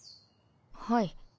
はい。